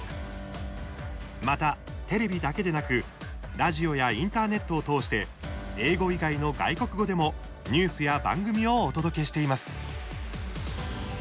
また、テレビだけでなくラジオやインターネットを通して英語以外の外国語でもニュースや番組をお届けしています。